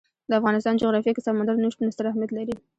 د افغانستان جغرافیه کې سمندر نه شتون ستر اهمیت لري.